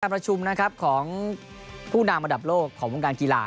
การประชุมของผู้นามระดับโลกของวงการกีฬา